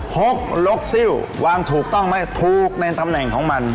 ฮกรกซิลวางถูกต้องไหมถูกในตำแหน่งของมัน